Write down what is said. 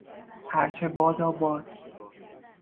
هر چه باداباد